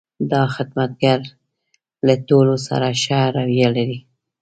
دا خدمتګر له ټولو سره ښه رویه لري.